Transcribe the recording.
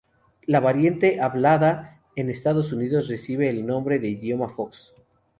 La variante hablada en Estados Unidos recibe el nombre de idioma fox.